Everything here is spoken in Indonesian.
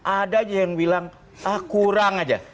ada aja yang bilang ah kurang aja